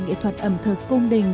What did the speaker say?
nghệ thuật ẩm thực công đình